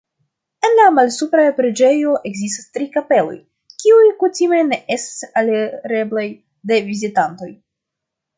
En la malsupra preĝejo ekzistas tri kapeloj, kiuj kutime ne estas alireblaj de vizitantoj.